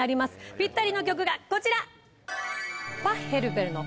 ぴったりの曲がこちら。